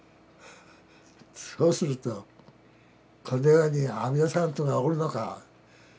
そうするとこの世に阿弥陀さんというのがおるのか。